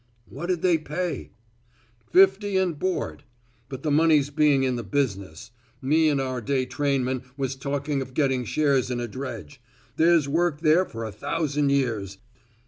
"What'd they pay!" "Fifty and board. But the money's being in the business. Me and our day trainman was talking of getting shares in a dredge. There's work there for a thousand years.